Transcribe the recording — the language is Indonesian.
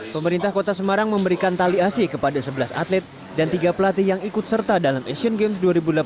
pemerintah kota semarang memberikan tali asi kepada sebelas atlet dan tiga pelatih yang ikut serta dalam asian games dua ribu delapan belas